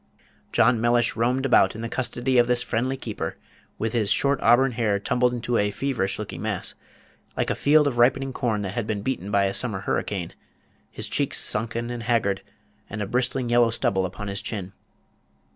John Mellish roamed about in the custody of this friendly keeper, with his short auburn hair tumbled into a feverish looking mass, like a field of ripening corn that had been beaten by a summer hurricane, his cheeks sunken and haggard, and a bristling yellow stubble upon his chin.